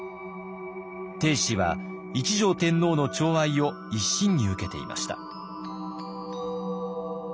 定子は一条天皇のちょう愛を一身に受けていました。